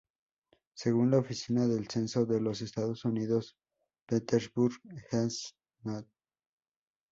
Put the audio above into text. Según la Oficina del Censo de los Estados Unidos, Petersburg East No.